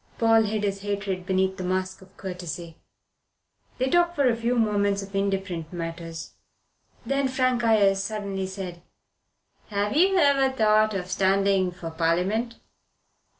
Paul hid his hatred beneath the mask of courtesy. They talked for a few moments of indifferent matters. Then Frank Ayres suddenly said: "Have you ever thought of standing for Parliament?"